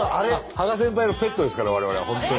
芳賀先輩のペットですから我々は本当に。